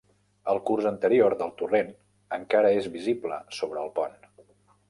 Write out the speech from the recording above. El curs anterior del torrent encara és visible sobre el pont.